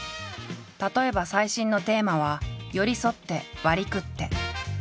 例えば最新のテーマは「寄り添って割食って」。